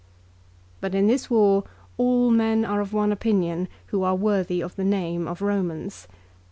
But in this war all men are of one opinion who are worthy of the name of Romans.